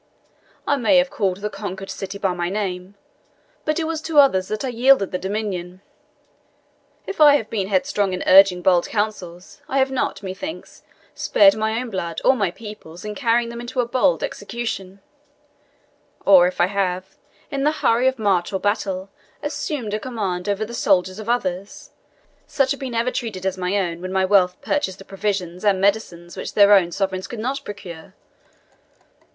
I may have called the conquered city by my name, but it was to others that I yielded the dominion. If I have been headstrong in urging bold counsels, I have not, methinks, spared my own blood or my people's in carrying them into as bold execution; or if I have, in the hurry of march or battle, assumed a command over the soldiers of others, such have been ever treated as my own when my wealth purchased the provisions and medicines which their own sovereigns could not procure.